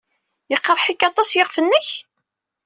Iqerreḥ-ik aṭas yiɣef-nnek?